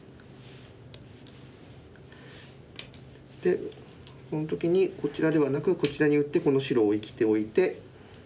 でこの時にこちらではなくこちらに打ってこの白を生きておいて。